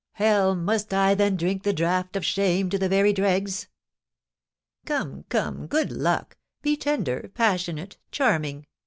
"Hell! Must I, then, drink the draught of shame to the very dregs?" "Come, come, good luck; be tender, passionate, charming.